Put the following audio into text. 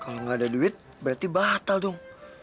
kalau nggak ada duit berarti batal dong